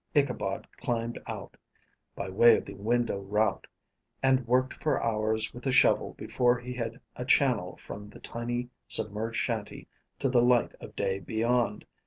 Ichabod climbed out by way of the window route and worked for hours with a shovel before he had a channel from the tiny, submerged shanty to the light of day beyond.